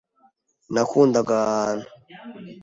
Nakundaga aha hantu.